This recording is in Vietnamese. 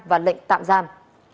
và lệnh tạm giam